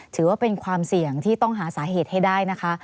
ถือว่าเป็นความเสี่ยงที่ต้องหาสาเหตุให้ได้นะคะ